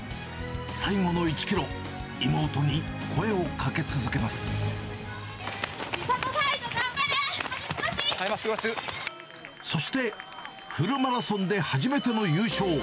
最後の１キロ、妹に声をかけ続け美里ファイト、頑張れ、そして、フルマラソンで初めての優勝。